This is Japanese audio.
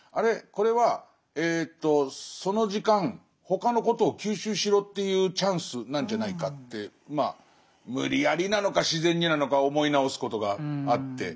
これはその時間他のことを吸収しろっていうチャンスなんじゃないかってまあ無理やりなのか自然になのか思い直すことがあって。